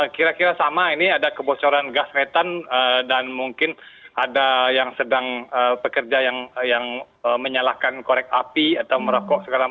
kira kira sama ini ada kebocoran gas metan dan mungkin ada yang sedang pekerja yang menyalahkan korek api atau merokok segala macam